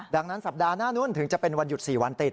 ดังนั้นสัปดาห์หน้านู้นถึงจะเป็นวันหยุด๔วันติด